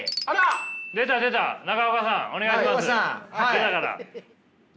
出たから。